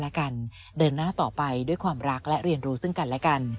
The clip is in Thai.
และกันเดินหน้าต่อไปด้วยความรักและเรียนรู้ซึ่งกันและกัน